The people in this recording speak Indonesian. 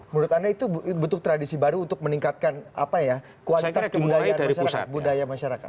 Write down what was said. menurut anda itu bentuk tradisi baru untuk meningkatkan kuantitas kebudayaan masyarakat